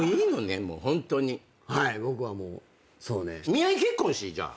見合い結婚しぃじゃあ。